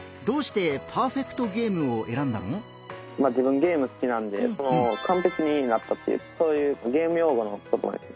自分ゲーム好きなんでかんぺきになったっていうそういうゲーム用語の言葉です。